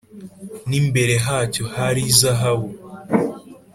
N’imbere hacyo hari izahabu